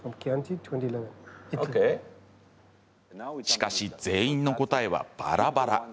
しかし全員の答えは、ばらばら。